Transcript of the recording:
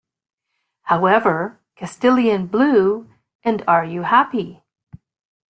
However, "Castillian Blue" and "Are You Happy?